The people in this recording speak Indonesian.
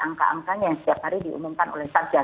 angka angkanya yang setiap hari diumumkan oleh satgas